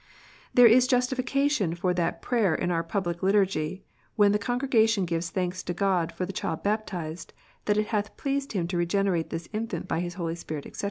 There is justification for that prayer in our public liturgy, when the con gregation gives thanks to God for the child baptized, that it hath pleased Him to regenerate this infant by His Holy Spirit, etc.